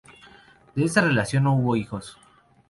De esta relación no hubo hijos.